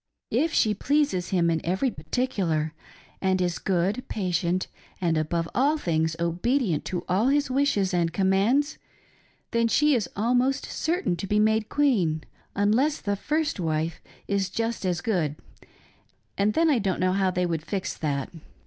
If she pleases him in every par ticular and is good, patient, and above all things obedient to all his wishes and commands, then slie is almost certain to be made queen, unless the first wife is just as good, and then I don't know how they would fix that.